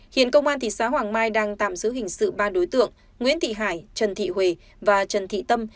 hiện công an thị xã hoàng mai đang tạm giữ hình sự ba đối tượng nguyễn thị hải trần thị huê và trần thị tâm